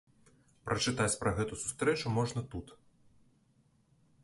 Прачытаць пра гэту сустрэчу можна тут.